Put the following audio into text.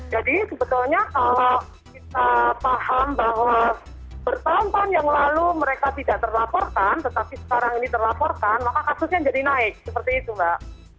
jadi sebetulnya kalau kita paham bahwa bertahun tahun yang lalu mereka tidak terlaporkan tetapi sekarang ini terlaporkan maka kasusnya jadi naik seperti itu mbak